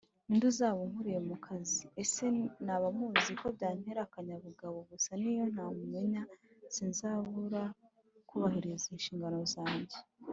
Ni nde uzaba ankuriye mu kazi ese naba muzi ko byantera akanyabugabo gusa niyo ntamumenya sinzabuzra kubahiriza inshingano zanjye.